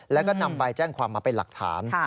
แล้วก็นำใบแจ้งความมาเป็นหลักฐาน